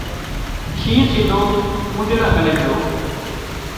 شينهن سِڌو اونۮيڙا ڪنين جھو